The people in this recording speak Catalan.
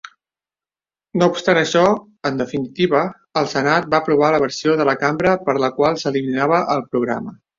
No obstant això, en definitiva, el Senat va aprovar la versió de la cambra per la qual s'eliminava el programa.